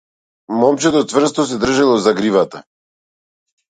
Момчето цврсто се држело за гривата.